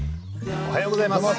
おはようございます。